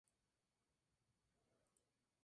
Su capital es Nizhni Nóvgorod.